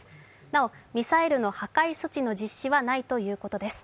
なおミサイルの破壊措置の実施はないということです。